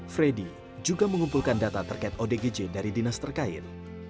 freddy juga mengumpulkan data terkait odgj dari dinas terkait